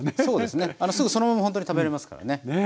すぐそのままほんとに食べれますからね。